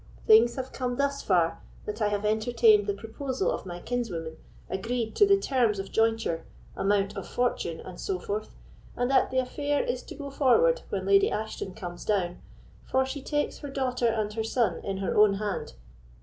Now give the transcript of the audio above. "Things have come thus far, that I have entertained the proposal of my kinswoman, agreed to the terms of jointure, amount of fortune, and so forth, and that the affair is to go forward when Lady Ashton comes down, for she takes her daughter and her son in her own hand.